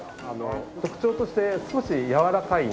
特徴として少しやわらかいので。